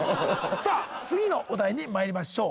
さあ次のお題にまいりましょう。